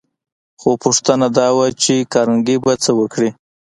خو پوښتنه دا وه چې کارنګي به څه وکړي